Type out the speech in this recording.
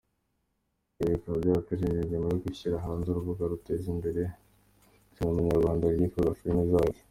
Ibi bikaba byaratekerejweho nyuma yo gushyira hanze urubuga ruteza imbere sinama nyarwanda rwitwa filmzacu.